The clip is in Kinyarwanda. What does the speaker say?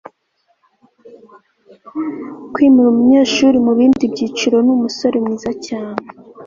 kwimura umunyeshuri mubindi byiciro ni umusore mwiza cyane. (scott